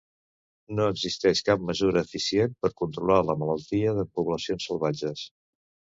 No existeix cap mesura eficient per controlar la malaltia en poblacions salvatges.